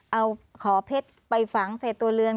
เอาขอเพชรไปฝังใส่ตัวเรือน